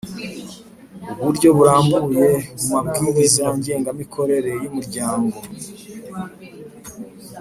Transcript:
Uburyo burambuye mu mabwiriza ngengamikorere y umuryango